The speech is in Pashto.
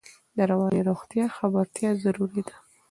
د رواني روغتیا خبرتیا ضروري ده.